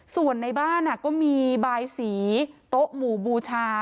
ส่วนในบ้านก็มีบายสีโต๊ะหมู่บูชา